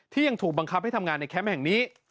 ยังถูกบังคับให้ทำงานในแคมป์แห่งนี้